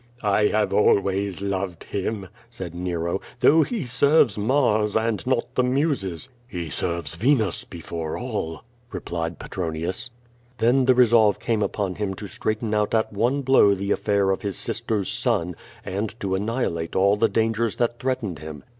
"I have always loved him," said Nero, "though he serves Mars and not the Muses." *'He serves Venus before all," replied Petronius. Then the resolve came upon him to straighten out at one blow the affair of his sister's son, and to annihilate all the dangers that threatened him.